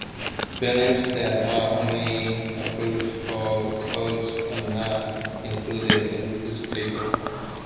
Buildings that are only approved or proposed are not included in this table.